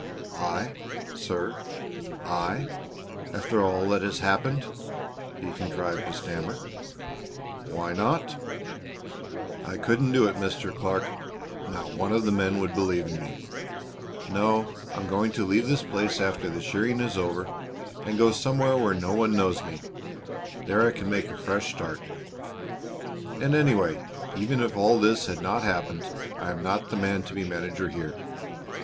"I, sir! I? After all that has happened?" he contrived to stammer. "Why not?" "I couldn't do it, Mr. Clark. Not one of the men would believe in me. No, I am going to leave this place after the shearing is over, and go somewhere where no one knows me; there I can make a fresh start. And anyway, even if all this had not happened, I am not the man to be manager here.